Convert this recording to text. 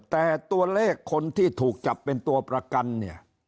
แต่ตัวเลขคนที่ถูกจับเป็นตัวประกันเนี่ย